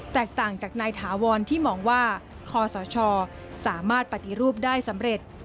แตกต่างจากนายถาวรที่มองว่าคอสชสามารถปฏิรูปได้สำเร็จ